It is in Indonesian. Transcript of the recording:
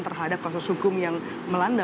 terhadap kasus hukum yang melanda